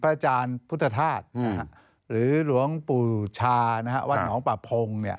ท่านอาจารย์พุทธธาตุหรือหลวงปู่ชาวัดหนองปราบพงศ์